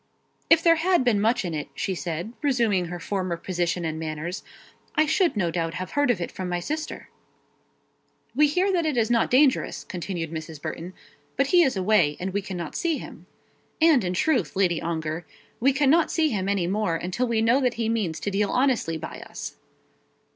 "If there had been much in it," she said, resuming her former position and manners, "I should no doubt have heard of it from my sister." "We hear that it is not dangerous," continued Mrs. Burton; "but he is away, and we cannot see him. And, in truth, Lady Ongar, we cannot see him any more until we know that he means to deal honestly by us."